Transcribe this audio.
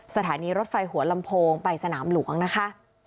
สถานีรถไฟหัวลำโพงไปสนามหลวงนะคะ